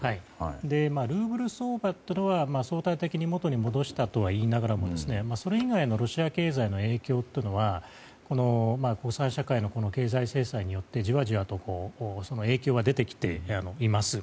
ルーブル相場は、相対的に元に戻したとは言いながらそれ以外のロシア経済の影響は国際社会の経済制裁によってじわじわと出てきています。